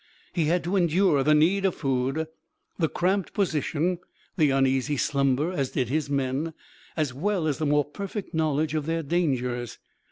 He had to endure the need of food, the cramped position, the uneasy slumber, as did his men; as well as the more perfect knowledge of their dangers.